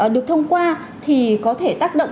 được thông qua thì có thể tác động